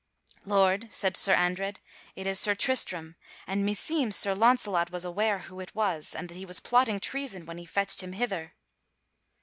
"Lord," said Sir Andred, "it is Sir Tristram, and me seems Sir Launcelot was aware who it was, and that he was plotting treason when he fetched him hither."